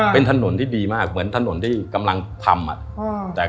เป็นถนนที่ดีมากเหมือนถนนที่กำลังทำ